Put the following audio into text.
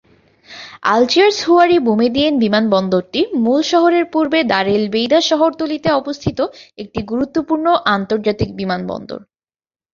Algiers Houari Boumediene বিমানবন্দরটি মূল শহরের পূর্বে দার এল-বেইদা শহরতলীতে অবস্থিত একটি গুরুত্বপূর্ণ আন্তর্জাতিক বিমানবন্দর।